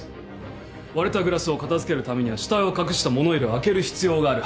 割れたグラスを片付けるためには死体を隠した物入れを開ける必要がある。